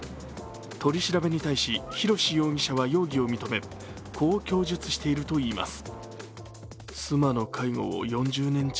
取り調べに対し宏容疑者は容疑を認めこう供述しているといいます。